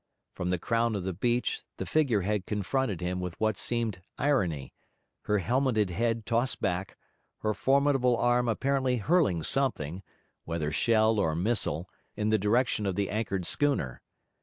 From the crown of the beach, the figure head confronted him with what seemed irony, her helmeted head tossed back, her formidable arm apparently hurling something, whether shell or missile, in the direction of the anchored schooner.